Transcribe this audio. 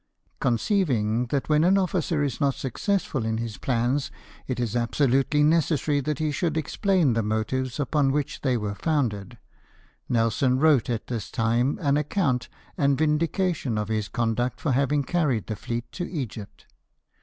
Conceiving that when an officer is not successful in his plans it is absolutely necessary that he should explain the motives upon which they were foimded, Nelson wrote at this time an account and vindication of his conduct for having carried the fleet to Egypt.